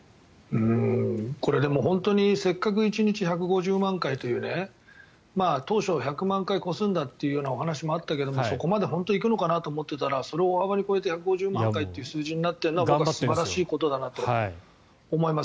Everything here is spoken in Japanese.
これ、でも本当にせっかく１日１５０万回というね当初、１００万回を超すんだという話があったけどそこまで本当に行くのかなと思っていたらそれを大幅に超えて１５０万回という数字になっているのは素晴らしいことだなと思います。